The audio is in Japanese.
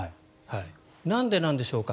なんでなんでしょうか。